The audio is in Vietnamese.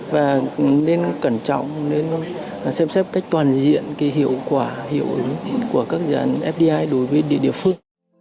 và nên cẩn trọng nên xem xét cách toàn diện cái hiệu quả hiệu ứng của các dự án fdi đối với địa địa phương